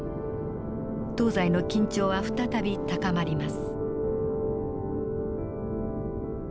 東西の緊張は再び高まります。